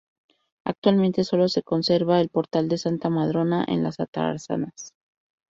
Actualmente solo se conserva el Portal de Santa Madrona, en las Atarazanas.